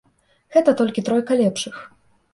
Гэта толькі тройка лепшых.